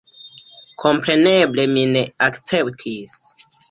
Kompreneble mi ne akceptis.